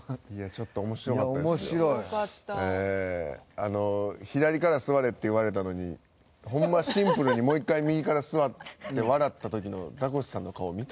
あの「左から座れ」って言われたのにホンマシンプルにもう１回右から座って笑った時のザコシさんの顔見た？